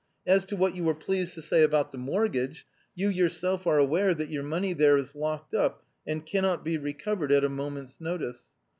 As to what you were pleased to say about the mortgage, you yourself are aware that your money there is locked up and cannot be recovered at a moment's notice.